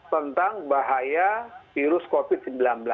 tentang bahaya virus covid sembilan belas